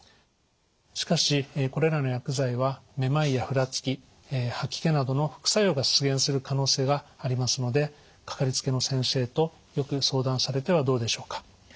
しかしこれらの薬剤はめまいやふらつき吐き気などの副作用が出現する可能性がありますのでかかりつけの先生とよく相談されてはどうでしょうか。